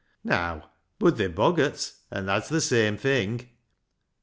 Neaw ; bud they're boggarts, an' that's th' same thing